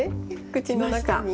口の中に。